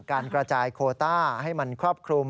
การกระจายโคต้าให้มันครอบคลุม